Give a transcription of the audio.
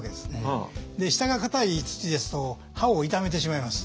下がかたい土ですと刃を傷めてしまいます。